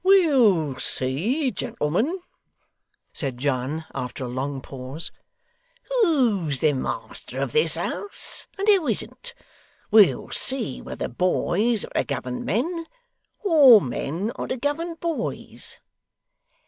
'We'll see, gentlemen,' said John, after a long pause, 'who's the master of this house, and who isn't. We'll see whether boys are to govern men, or men are to govern boys.